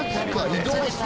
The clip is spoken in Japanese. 移動して？